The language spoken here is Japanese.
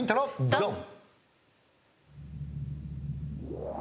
ドン！